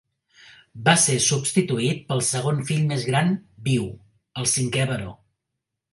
Va ser substituït pel segon fill més gran viu, el cinquè baró.